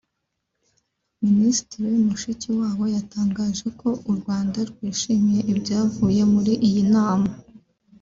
Minisitiri Mushikiwabo yatangaje ko u Rwanda rwishimiye ibyavuye muri iyi nama